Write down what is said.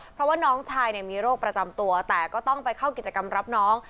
เพราะว่าน้องชายมีโรคประจำตัวแต่ก็ต้องไปเข้ากิจกรรมรับน้อง